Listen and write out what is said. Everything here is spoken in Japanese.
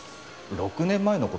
６年前の事？